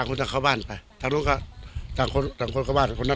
เป็นเป็นแผลยาวยาวอย่างเงี้ยแผลยาวยาวอย่างเงี้ยแดง